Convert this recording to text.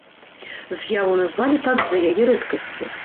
З'яву назвалі так з-за яе рэдкасці.